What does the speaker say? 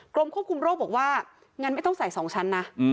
กรมควบคุมโรคบอกว่างั้นไม่ต้องใส่๒ชั้นนะ